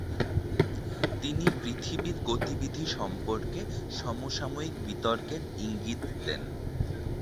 তিনি পৃথিবীর গতিবিধি সম্পর্কে সমসাময়িক বিতর্কের ইঙ্গিত দেন।